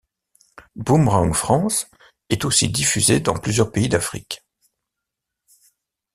Boomerang France est aussi diffusé dans plusieurs pays d'Afrique.